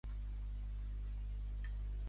Bateria de llums d'un teatre, d'un camp d'esports.